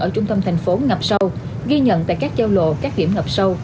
ở trung tâm thành phố ngập sâu ghi nhận tại các giao lộ các điểm ngập sâu